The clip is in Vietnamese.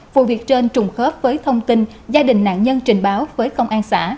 vụ việc trên trùng khớp với thông tin gia đình nạn nhân trình báo với công an xã